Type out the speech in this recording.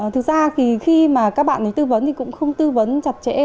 thực ra khi các bạn tư vấn thì cũng không tư vấn chặt chẽ